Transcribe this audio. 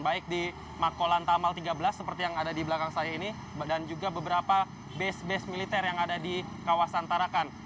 baik di makolan tamal tiga belas seperti yang ada di belakang saya ini dan juga beberapa base base militer yang ada di kawasan tarakan